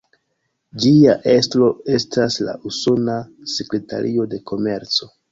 Ĝia estro estas la Usona Sekretario de Komerco.